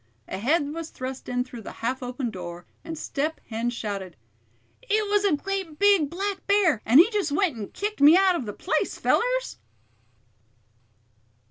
A head was thrust in through the half open door, and Step Hen shouted: "It was a great big black bear, and he just went and kicked me out of the place, fellers!"